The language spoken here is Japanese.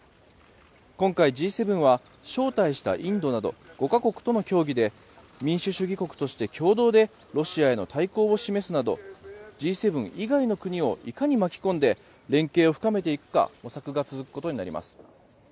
今回、Ｇ７は招待したインドなど５か国との協議で民主主義国として共同でロシアへの対抗を示すなどＧ７以外の国をいかに巻き込んで連携を深めていくか模索が続くことになります。